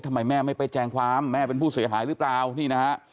ทำไมแม่ไม่ไปแจ้งความแม่เป็นผู้เสียหายหรือเปล่านี่นะฮะ